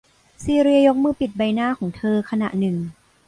ซีเลียยกมือปิดใบหน้าของเธอขณะหนึ่ง